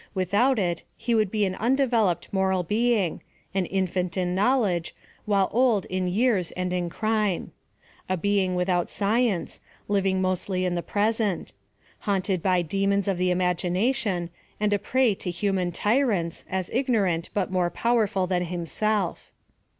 Without it he would be an undeveloped moral beiijg — an infant in knowledge, while old in years and in crime; a being without science, living mostly in the pres ent; haunted by demons of the imagination, and a prey to hutnan tyrants, as ignorant but more powerful than himself.